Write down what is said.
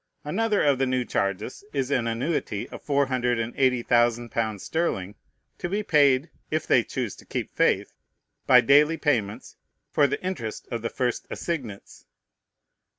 Another of the new charges is an annuity of four hundred and eighty thousand pounds sterling, to be paid (if they choose to keep faith) by daily payments, for the interest of the first assignats.